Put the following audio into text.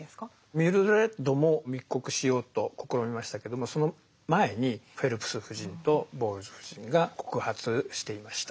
ミルドレッドも密告しようと試みましたけどもその前にフェルプス夫人とボウルズ夫人が告発していました。